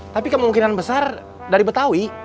tapi kemungkinan besar dari betawi